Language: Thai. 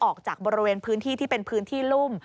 ออกจากบริเวณพื้นที่ที่เป็นพื้นที่รุ่ม